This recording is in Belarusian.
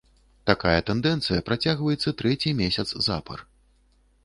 Такая тэндэнцыя працягваецца трэці месяц запар.